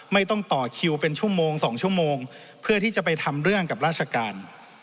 ไม่ต้องต่อคิวเป็นชั่วโมง๒ชั่วโมงเพื่อที่จะไปทำเรื่องกับราชการ